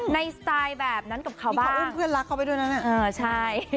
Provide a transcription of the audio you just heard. สไตล์แบบนั้นกับเขาบ้างเขาอุ้มเพื่อนรักเขาไปด้วยนะใช่